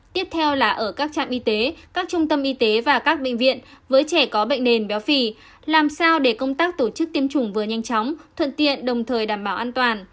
tiếp theo là ở các trạm y tế các trung tâm y tế và các bệnh viện với trẻ có bệnh nền béo phì làm sao để công tác tổ chức tiêm chủng vừa nhanh chóng thuận tiện đồng thời đảm bảo an toàn